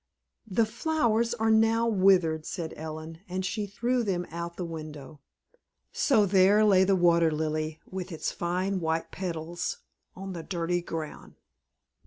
"The flowers are now withered," said Ellen, and she threw them out of the window. So there lay the Water Lily with its fine white petals on the dirty ground.